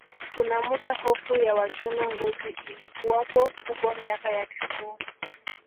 Kuna muda hofu ya wachuna ngozi ilikuwapo kubwa miaka ya tisini